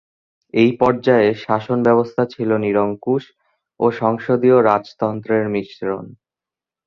এই পর্যায়ে শাসনব্যবস্থা ছিল নিরঙ্কুশ ও সংসদীয় রাজতন্ত্রের মিশ্রণ।